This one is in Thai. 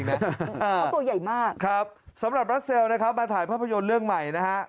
เพราะตัวใหญ่มากครับสำหรับรัสเซลนะครับมาถ่ายภาพยนตร์เรื่องใหม่นะฮะ